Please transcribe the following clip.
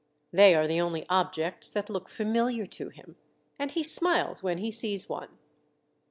They are the only objects that look familiar to him, and he smiles when he sees one.